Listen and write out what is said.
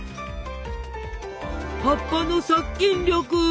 葉っぱの殺菌力！